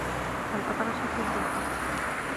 كالأطرش في الزَّفَّة